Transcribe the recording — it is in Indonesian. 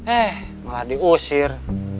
eh malah diusir